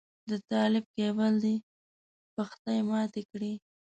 د طالب کيبل دې پښتۍ ماتې کړې.